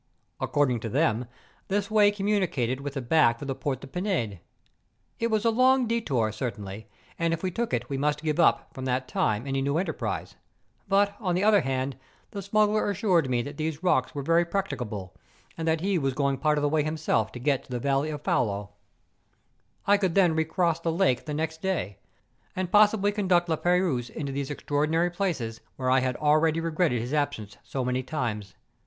According to them, this way communicated with the back of the Port de PinMe. It was a long detour, certainly, and if we took it we must give up, from that time, any new enterprise ;♦ but, on the other hand, the smuggler assured me that these rocks were very practicable, and that he was going part of the way himself to get to the valley of Faulo. I could then recross the lake the next day, and possibly conduct La Peyrouse into these extraordinary places where I had already regretted his absence so many times.